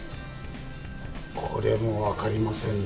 これも分かりませんね。